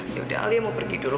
ya udah alia mau pergi dulu